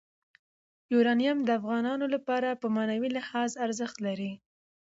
یورانیم د افغانانو لپاره په معنوي لحاظ ارزښت لري.